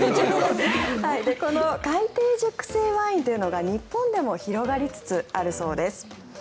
この海底熟成ワインというのが日本でも広がりつつあるそうです。